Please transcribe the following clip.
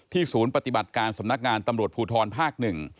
ศูนย์ปฏิบัติการสำนักงานตำรวจภูทรภาค๑